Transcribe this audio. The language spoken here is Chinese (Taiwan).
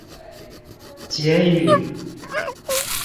結語